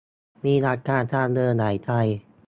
มีอาการทางเดินหายใจ